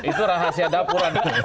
itu rahasia dapuran